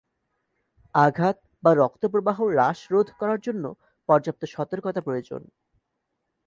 আঘাত বা রক্ত প্রবাহ হ্রাস রোধ করার জন্য পর্যাপ্ত সতর্কতা প্রয়োজন।